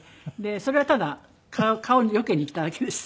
それはただ蚊をよけに行っただけです。